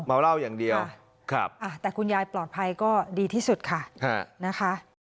เมาเหล้าอย่างเดียวแต่คุณยายปลอดภัยก็ดีที่สุดค่ะนะคะ